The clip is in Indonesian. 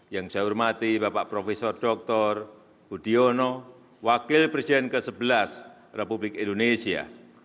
yang saya hormati bapak profesor dr budiono wakil presiden ke sebelas republik indonesia